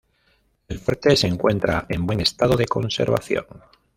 El fuerte se encuentra en buen estado de conservación.